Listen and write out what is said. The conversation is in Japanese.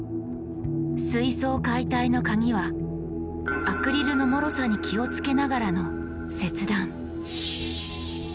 水槽解体のカギはアクリルのもろさに気をつけながらの切断。